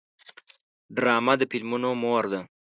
ډرامه د فلمونو مور ده